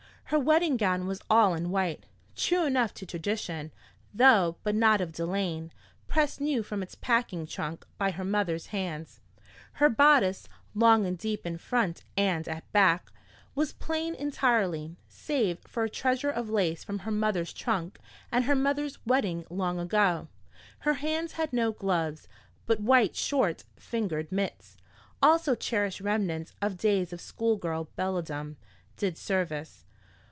Her wedding gown was all in white, true enough to tradition, though but of delaine, pressed new from its packing trunk by her mother's hands. Her bodice, long and deep in front and at back, was plain entirely, save for a treasure of lace from her mother's trunk and her mother's wedding long ago. Her hands had no gloves, but white short fingered mitts, also cherished remnants of days of schoolgirl belledom, did service.